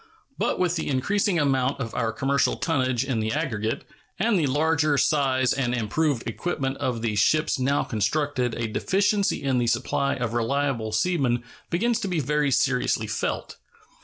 But with the increasing amount of our commercial tonnage in the aggregate and the larger size and improved equipment of the ships now constructed a deficiency in the supply of reliable seamen begins to be very seriously felt.